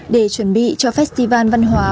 để chuẩn bị cho festival văn hóa